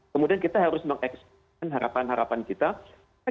kemudian kita harus mengeksplorasi harapan harapan kita